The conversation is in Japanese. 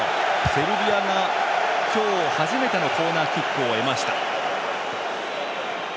セルビアが今日初めてのコーナーキックを得ました。